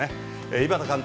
井端監督